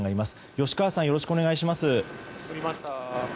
吉川さんよろしくお願いします。